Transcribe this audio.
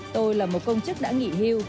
tôi là một công chức đã nghỉ hiu